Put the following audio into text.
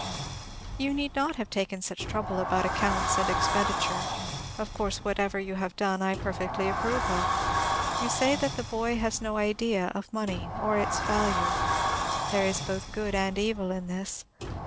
You need not have taken such trouble about accounts and expenditure; of course, whatever you have done I perfectly approve of. You say that the boy has no idea of money or its value. There is both good and evil in this.